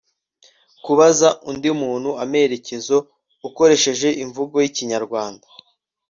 kubaza undi muntu amerekezo ukoresheje imvugo y'ikinyarwanda